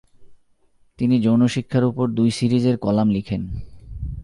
তিনি যৌনশিক্ষার উপর দুই সিরিজের কলাম লিখেন।